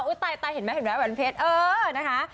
อุ๊ยตายเห็นไหมแหวนเพชรเออนะคะ